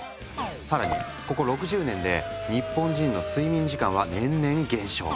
更にここ６０年で日本人の睡眠時間は年々減少。